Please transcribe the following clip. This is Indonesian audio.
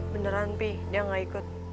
beneran p dia nggak ikut